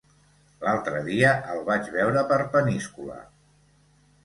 L'altre dia el vaig veure per Peníscola.